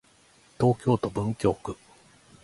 東京都文京区